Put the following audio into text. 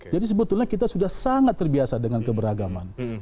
jadi sebetulnya kita sudah sangat terbiasa dengan keberagaman